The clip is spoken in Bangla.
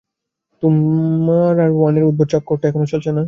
তোমার আর ওয়েনের উদ্ভট চক্করটা এখনো চলছে না?